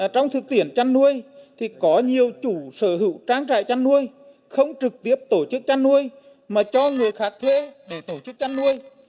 trang trại trang nuôi không trực tiếp tổ chức trang nuôi mà cho người khác thuê để tổ chức trang nuôi